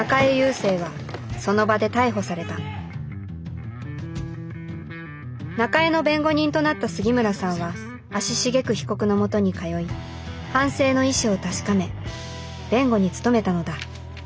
聖はその場で逮捕された中江の弁護人となった杉村さんは足しげく被告のもとに通い反省の意思を確かめ弁護に努めたのだ